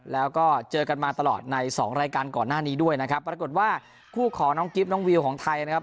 แล้วก็เจอกันมาตลอดในสองรายการก่อนหน้านี้ด้วยนะครับปรากฏว่าคู่ของน้องกิฟต์น้องวิวของไทยนะครับ